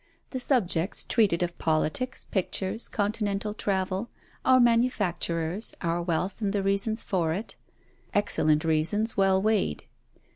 The subjects treated of politics, pictures, Continental travel, our manufactures, our wealth and the reasons for it excellent reasons well weighed.